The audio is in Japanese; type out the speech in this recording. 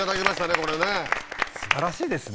これねすばらしいですね